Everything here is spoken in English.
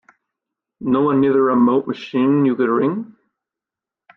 No one near the remote machine you could ring?